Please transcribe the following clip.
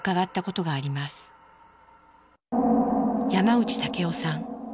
山内武夫さん。